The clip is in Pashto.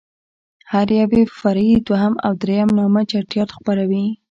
هر يو يې په فرعي دوهم او درېم نامه چټياټ خپروي.